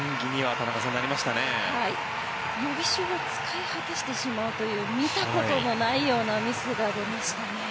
予備手具を使い果たしてしまうという見たことのないようなミスが出ましたね。